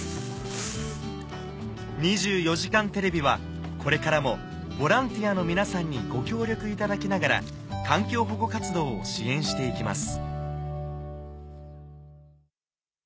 『２４時間テレビ』はこれからもボランティアの皆さんにご協力いただきながら環境保護活動を支援していきます